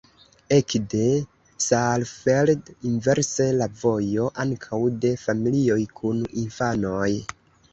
Ekde Saalfeld inverse la vojo ankaŭ de familioj kun infanoj.